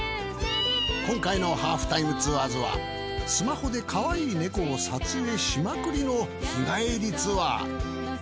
今回の『ハーフタイムツアーズ』はスマホで可愛い猫を撮影しまくりの日帰りツアー。